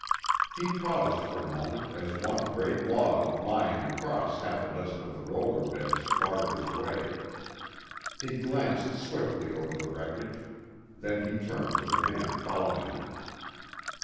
He paused for a moment as one great log lying across half a dozen of the roller beds barred his way. He glanced swiftly over the wreckage. Then he turned to the man following him.